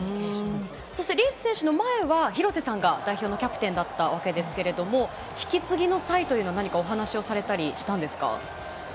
そしてリーチ選手の前は廣瀬さんが代表のキャプテンだったわけですが引き継ぎの際は何かお話をされたりしたんですか。